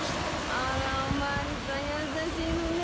あらお巡りさん優しいのねえ！